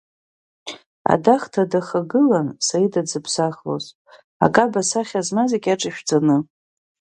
Адахҭа дахагылан Саида дзыԥсахлоз, акаба асахьа змаз икьаҿ ишәҵаны!